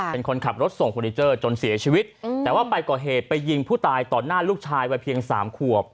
เป็นคนขับรถส่งเฟอร์นิเจอร์จนเสียชีวิตแต่ว่าไปก่อเหตุไปยิงผู้ตายต่อหน้าลูกชายวัยเพียงสามขวบ